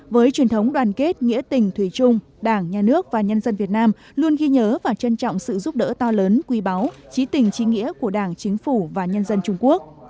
với truyền thống đoàn kết nghĩa tình thủy chung đảng nhà nước và nhân dân việt nam luôn ghi nhớ và trân trọng sự giúp đỡ to lớn quý báu trí tình trí nghĩa của đảng chính phủ và nhân dân trung quốc